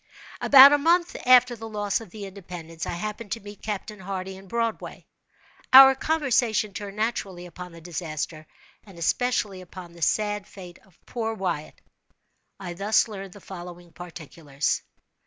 About a month after the loss of the "Independence," I happened to meet Captain Hardy in Broadway. Our conversation turned, naturally, upon the disaster, and especially upon the sad fate of poor Wyatt. I thus learned the following particulars.